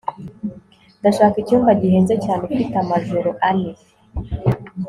ndashaka icyumba gihenze cyane ufite amajoro ane